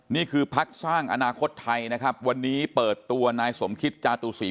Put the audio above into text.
นี่คือพักสร้างอนาคตไทยนะครับวันนี้เปิดตัวนายสมคิตจาตุศรี